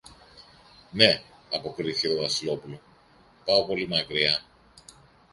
Ναι, αποκρίθηκε το Βασιλόπουλο, πάω πολύ μακριά.